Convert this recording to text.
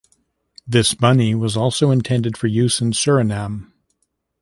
This money was also intended for use in Suriname.